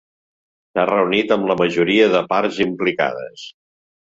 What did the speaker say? S'ha reunit amb la majoria de parts implicades.